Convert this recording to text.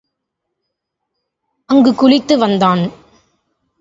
அங்குக் குளித்து வந்தனர்.